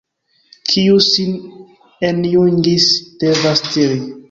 Kiu sin enjungis, devas tiri.